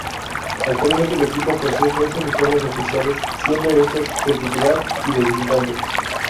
Actualmente el equipo posee dos uniformes oficiales siendo estos el titular y de visitante.